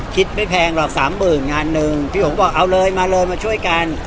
คิดไม่แพงหรอกสามหมื่นงานหนึ่งพี่หงบอกเอาเลยมาเลยมาช่วยกัน